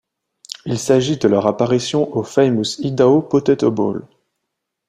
Il s'agit de leur apparition au Famous Idaho Potato Bowl.